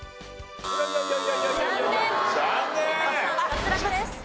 脱落です。